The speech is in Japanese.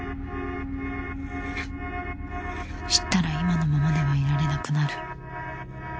知ったら今のままではいられなくなる。